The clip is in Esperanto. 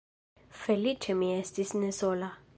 Feliĉe mi estis ne sola.